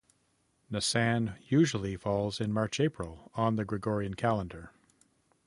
Nisan usually falls in March-April on the Gregorian calendar.